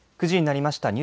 ９時になりました。